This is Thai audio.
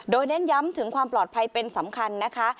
โดยเน้นย้ำถึงความปลอดภัยเป็นสำคัญนะคะ